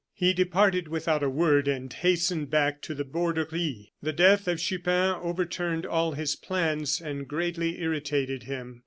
He departed without a word, and hastened back to the Borderie. The death of Chupin overturned all his plans, and greatly irritated him.